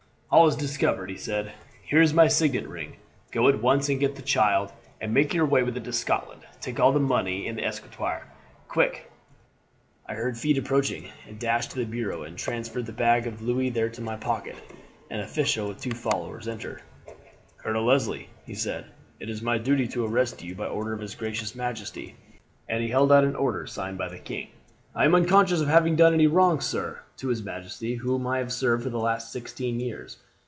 "'All is discovered,' he said; 'here is my signet ring, go at once and get the child, and make your way with it to Scotland; take all the money in the escritoire, quick!' "I heard feet approaching, and dashed to the bureau, and transferred the bag of louis there to my pocket. An official with two followers entered. "'Colonel Leslie,' he said, 'it is my duty to arrest you by order of his gracious majesty;' and he held out an order signed by the king. "'I am unconscious of having done any wrong, sir, to his majesty, whom I have served for the last sixteen years.